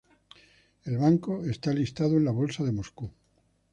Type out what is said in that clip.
El banco está listado en la bolsa de Moscú.